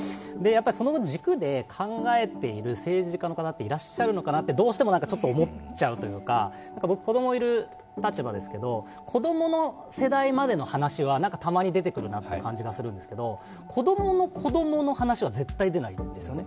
その軸で考えている政治家の方っていらっしゃるのかなってどうしてもちょっと思っちゃうというか僕、子供がいる立場ですけど子供の世代までの話はたまに出てくるなという感じがするんですけど子供の子供の話は絶対出ないですよね。